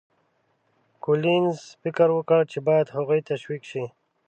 کولینز فکر وکړ چې باید هغوی تشویق شي.